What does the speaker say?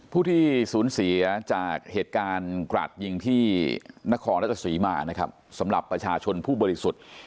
ผู้ที่สูญเสียจากเหตุการณ์กราดยิงที่นครราชสีมานะครับสำหรับประชาชนผู้บริสุทธิ์